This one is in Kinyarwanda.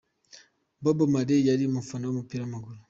Bob Marley yari umufana w’umupira w’amaguru.